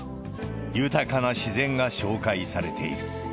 豊かな自然が紹介されている。